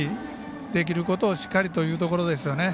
できることをしっかりということですよね。